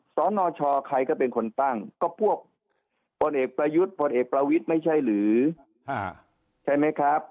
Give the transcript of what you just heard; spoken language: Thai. สนชใครก็เป็นคนตั้งก็พวกพลเอกประยุทธ์พลเอกประวิทย์ไม่ใช่หรือใช่ไหมครับ